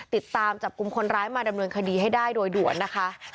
ติดตามจับกลุ่มคนร้ายมาดำเนินคดีให้ได้โดยด่วนนะคะ